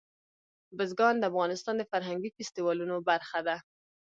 بزګان د افغانستان د فرهنګي فستیوالونو برخه ده.